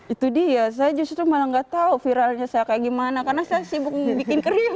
itu dia saya justru malah nggak tahu viralnya saya kayak gimana karena saya sibuk bikin kerium